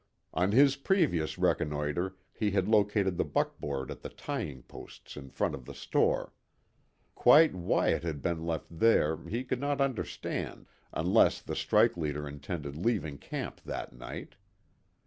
On his previous reconnoitre he had located the buckboard at the tying posts in front of the store. Quite why it had been left there he could not understand, unless the strike leader intended leaving camp that night.